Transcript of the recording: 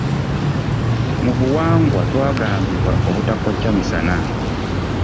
Mu buwangwa twagambibwa obutakocca misana.